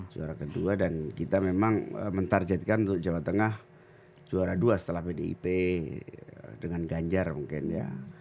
juara kedua dan kita memang mentarjetkan untuk jawa tengah juara dua setelah pdip dengan ganjar mungkin ya